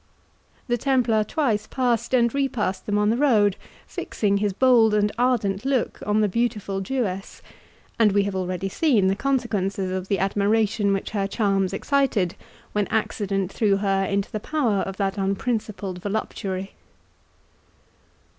The Templar twice passed and repassed them on the road, fixing his bold and ardent look on the beautiful Jewess; and we have already seen the consequences of the admiration which her charms excited when accident threw her into the power of that unprincipled voluptuary.